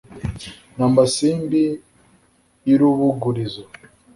ni amasimbi y’urubugurizo,